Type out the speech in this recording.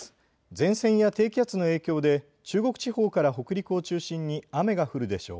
前線や低気圧の影響で中国地方から北陸を中心に雨が降るでしょう。